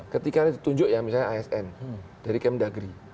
ketika ditunjuk ya misalnya asn dari kem dagri